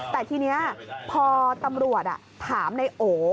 แต่ทีนี้พอตำรวจถามในโอ